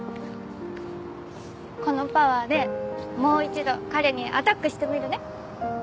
このパワーでもう１度彼にアタックしてみるね。